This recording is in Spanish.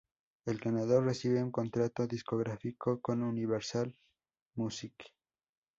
El ganador recibe un contrato discográfico con Universal Music.